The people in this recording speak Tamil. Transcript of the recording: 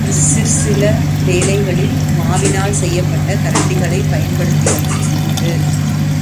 சிற்சில வேளைகளில் மாவினால் செய்யப்பட்ட கரண்டிகளைப் பயன்படுத்தியதும் உண்டு.